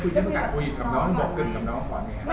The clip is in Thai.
ได้คุยกับผู้หญิงกับน้องก่อนไหมฮะ